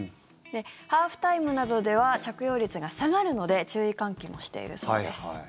ハーフタイムなどでは着用率が下がるので注意喚起もしているそうです。